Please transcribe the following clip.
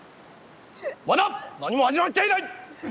まだ何も始まっちゃいない！